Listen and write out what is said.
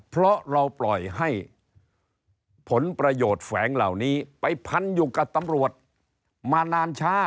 เพราะเราปล่อยให้ผลประโยชน์แฝงเหล่านี้ไปพันอยู่กับตำรวจมานานช้า